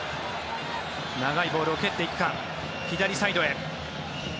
長いボールを蹴っていくか左サイドへ。